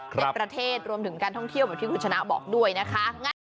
ในประเทศรวมถึงการท่องเที่ยวแบบที่คุณชนะบอกด้วยนะคะ